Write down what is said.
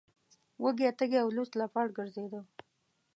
وږی تږی او لوڅ لپړ ګرځیده.